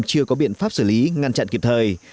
chưa có biện pháp xử lý ngăn chặn kịp thời